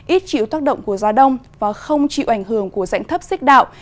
ít chịu tác động của gió đông và không chịu ảnh hưởng của dãy thấp xích đạo